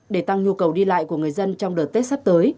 để tăng nhu cầu đi lại của người dân trong đợt tết sắp tới